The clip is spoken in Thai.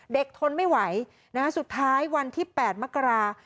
ทนไม่ไหวสุดท้ายวันที่๘มกรา